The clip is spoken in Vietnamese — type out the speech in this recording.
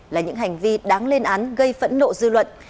là những hành vi đáng lên án gây phẫn nộ dư luận